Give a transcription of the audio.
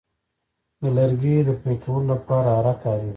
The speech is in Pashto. د لرګي د پرې کولو لپاره آره کاریږي.